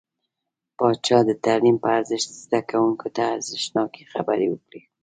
پاچا د تعليم په ارزښت، زده کوونکو ته ارزښتناکې خبرې وکړې .